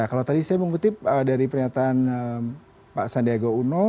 kalau tadi saya mengutip dari pernyataan pak sandiaga uno